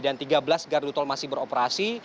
dan tiga belas gardu tol masih beroperasi